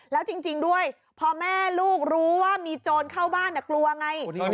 แล้วจริงด้วยพอแม่ลูกรู้ว่ามีโจรเข้าบ้านกลัวไง